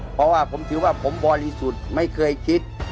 เพราะว่าผมถือว่าผมบริสุทธิ์ไม่เคยคิด